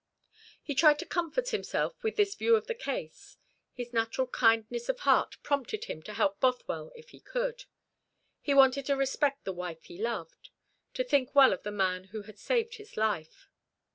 He tried to comfort himself with this view of the case. His natural kindness of heart prompted him to help Bothwell if he could. He wanted to respect the wife he loved, to think well of the man who had saved his life.